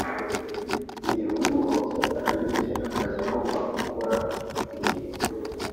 Igihe umwe mu bakozi atarangirije akazi yagombaga gukora ku gihe